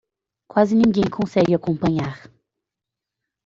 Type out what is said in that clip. Quase ninguém consegue acompanhar